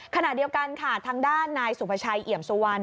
ขณะเดียวกันค่ะทางด้านนายสุภาชัยเอี่ยมสุวรรณ